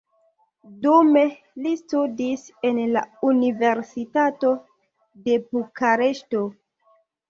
Dume li studis en la universitato de Bukareŝto.